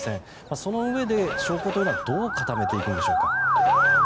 そのうえで、証拠というのはどう固めていくんでしょうか。